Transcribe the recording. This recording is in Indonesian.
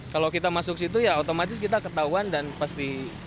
kalau kita masuk situ ya otomatis kita ketahuan dan pasti